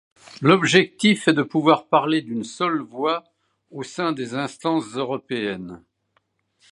L'objectif est de pouvoir parler d'une seule voix au sein des instances européennes.